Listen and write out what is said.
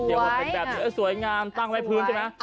เดี๋ยวพอเห็นแบบนี้สวยงามตั้งไว้พื้นใช่ไหม